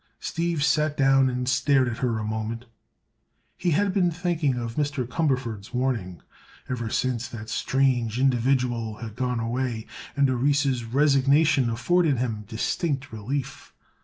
Steve sat down and stared at her a moment. He had been thinking of Mr. Cumberford's warning ever since that strange individual had gone away, and Orissa's "resignation" afforded him distinct relief.